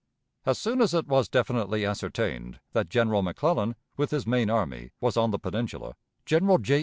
As soon as it was definitely ascertained that General McClellan, with his main army, was on the Peninsula, General J.